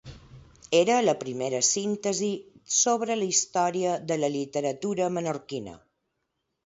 Era la primera síntesi sobre la història de la literatura menorquina.